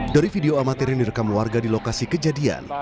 dari video amatir yang direkam warga di lokasi kejadian